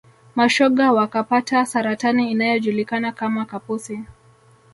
mashoga wakapata saratani inayojulikana kama kaposi